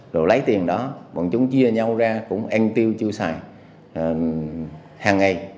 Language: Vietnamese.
rồi lấy tiền đó bọn chúng chia nhau ra cũng en tiêu chưu xài hàng ngày